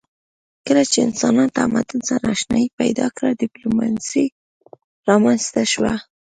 کله چې انسانانو تمدن سره آشنايي پیدا کړه ډیپلوماسي رامنځته شوه